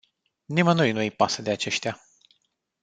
Nimănui nu îi pasă de aceștia.